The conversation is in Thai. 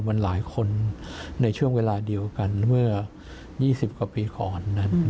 มันหลายคนในช่วงเวลาเดียวกันเมื่อ๒๐กว่าปีก่อนนั้น